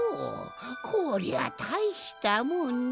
こりゃたいしたもんじゃ。